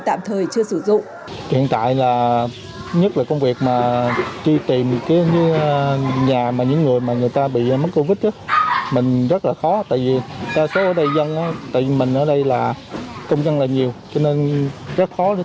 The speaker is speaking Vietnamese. tạm thời chưa sử dụng